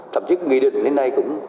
thậm chí nghị định đến nay cũng